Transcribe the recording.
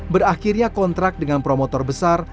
berakhirnya kontrak dengan promotor besar